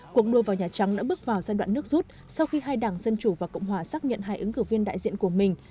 cuộc đua vào nhà trắng đã bước vào giai đoạn nước rút sau khi hai đảng dân chủ và cộng hòa xác nhận hai ứng cử viên đại diện của mình